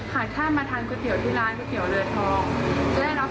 ค่ะถ้ามาทานก๋วยเตี๋ยวที่ร้านก๋วยเตี๋ยวเรือทอง